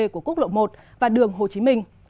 của quốc lộ một và đường hồ chí minh